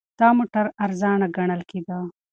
دا موټر ارزانه ګڼل کېده.